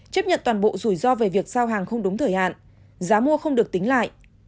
chấp nhận toàn bộ rủi ro về việc giao hàng không đúng thời hạn giá mua không được tính lại